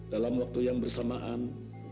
dalam waktu yang bersamaan